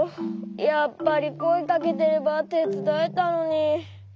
やっぱりこえかけてればてつだえたのに。